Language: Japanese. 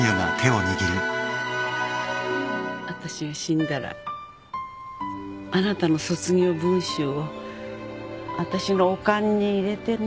私が死んだらあなたの卒業文集を私のお棺に入れてね。